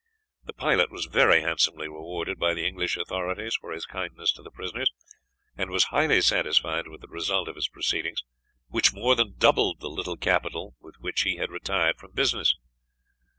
The pilot was very handsomely rewarded by the English authorities for his kindness to the prisoners, and was highly satisfied with the result of his proceedings, which more than doubled the little capital with which he had retired from business.